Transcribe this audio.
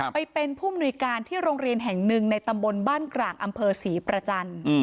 ไปเป็นผู้อำนวยการที่โรงเรียนแห่งนึงในตำบลบ้านกลางอำเภอสีภรรภาร